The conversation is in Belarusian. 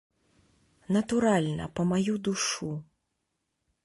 Натуральна, па маю душу.